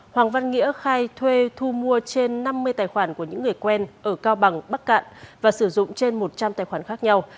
hoàng văn nghĩa khai thuê thu mua trên năm mươi tài khoản của những người quen ở cao bằng bắc cạn và sử dụng trên một trăm linh tài khoản khác nhau